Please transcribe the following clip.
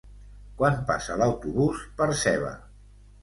Quan passa l'autobús per Seva?